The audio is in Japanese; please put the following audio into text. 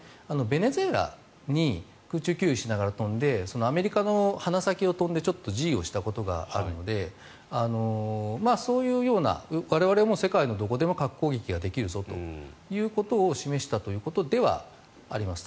ベネズエラに空中給油しながら飛んでそのアメリカの鼻先を飛んでちょっと示威をしたことがあるのでそういうような我々も世界のどこでも核攻撃ができるぞということを示したということではあります。